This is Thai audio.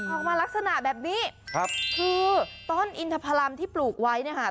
ออกมาลักษณะแบบนี้ครับคือต้นอินทพลัมที่ปลูกไว้เนี่ยค่ะ